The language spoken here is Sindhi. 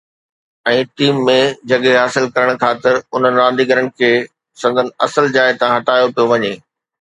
۽ ٽيم ۾ جڳهه حاصل ڪرڻ خاطر انهن رانديگرن کي سندن اصل جاءِ تان هٽايو پيو وڃي.